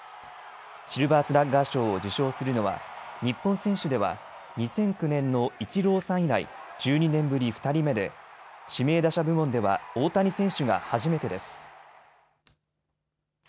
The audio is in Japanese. シルバースラッガー賞を受賞するのは日本選手では２００９年のイチローさん以来、１２年ぶり２人目で指名打者部門では大谷選手が初めてです。